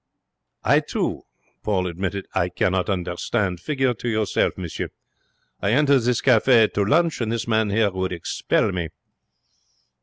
'I too,' he admitted, 'I cannot understand. Figure to yourself, monsieur. I enter this cafe to lunch, and this man here would expel me.'